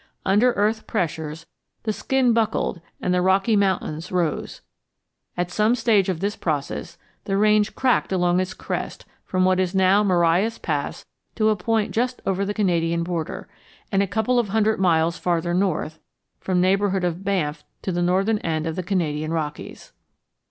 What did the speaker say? Under earth pressures the skin buckled and the Rocky Mountains rose. At some stage of this process the range cracked along its crest from what is now Marias Pass to a point just over the Canadian border, and, a couple of hundred miles farther north, from the neighborhood of Banff to the northern end of the Canadian Rockies.